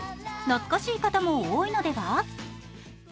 なつかしい方も多いのでは。